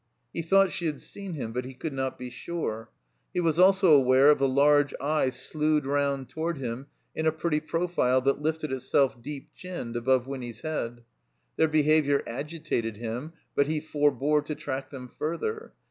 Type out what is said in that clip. He thought she had seen him, but he could not be sure. He was also aware of a large eye slued rotmd toward him in a pretty profile that lifted itself, deep chinned, above Wiimy's head. Their behavior agitated him, but he forbore to track them further.